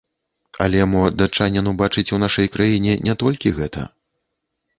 Але мо датчанін убачыць у нашай краіне не толькі гэта.